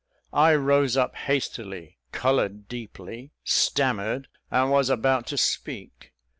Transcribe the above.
I rose up hastily coloured deeply stammered, and was about to speak.